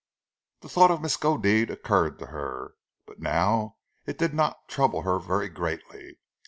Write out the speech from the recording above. The thought of Miskodeed occurred to her; but now it did not trouble her very greatly.